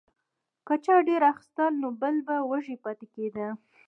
که چا ډیر اخیستل نو بل به وږی پاتې کیده.